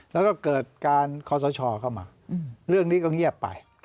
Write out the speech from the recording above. แล้วก็เกิดการคอสชเข้ามาเรื่องนี้ก็เงียบไป